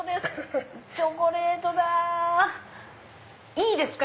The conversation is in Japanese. いいですか？